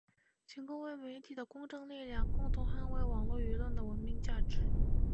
请各位媒体的公正力量，共同捍卫网络舆论的文明价值